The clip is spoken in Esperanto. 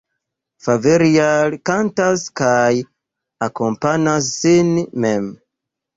Faverial kantas kaj akompanas sin mem.